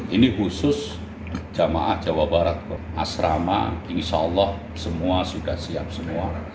ini khusus jemaah jawa barat asrama insya allah semua sudah siap semua